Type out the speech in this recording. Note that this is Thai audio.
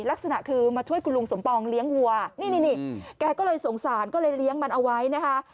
ลักษณะคือมาช่วยคุณลุงสมปองเลี้ยงวัวนี่นี่แกก็เลยสงสารก็เลยเลี้ยงมันเอาไว้นะคะ